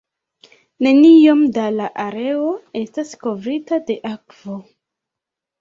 Neniom da la areo estas kovrita de akvo.